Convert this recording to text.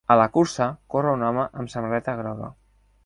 A la cursa corre un home amb samarreta groga.